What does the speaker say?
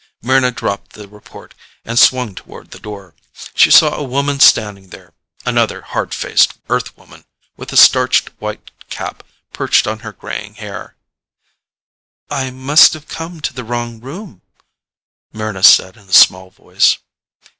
Mryna dropped the report and swung toward the door. She saw a woman standing there another hard faced Earthwoman, with a starched, white cap perched on her graying hair. "I must have come to the wrong room," Mryna said in a small voice.